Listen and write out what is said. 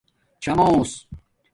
چھامݳسس